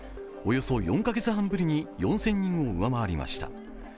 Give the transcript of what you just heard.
およそ４カ月半ぶりに４０００人を上回りました。